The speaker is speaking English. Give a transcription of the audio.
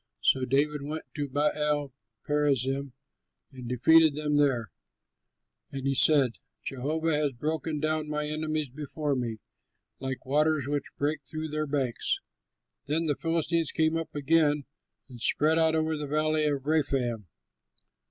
So David went to Baal perazim, and defeated them there; and he said, "Jehovah has broken down my enemies before me, like waters which break through their banks." Then the Philistines came up again and spread out over the Valley of Rephaim.